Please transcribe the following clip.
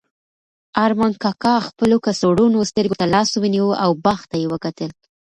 ارمان کاکا خپلو کڅوړنو سترګو ته لاس ونیو او باغ ته یې وکتل.